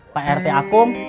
pak rt akum